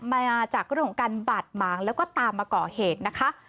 มาจากเรื่องของการบาดหมางแล้วก็ตามมาก่อเหตุนะคะ